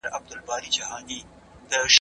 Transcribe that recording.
پلان جوړول د نظم نښه ده.